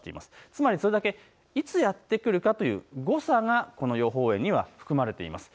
つまりそれだけいつやって来るかという誤差がこの予報円には含まれています。